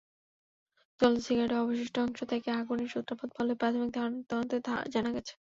জ্বলন্ত সিগারেটের অবশিষ্টাংশ থেকে আগুনের সূত্রপাত বলে প্রাথমিক তদন্তে জানা গেছে।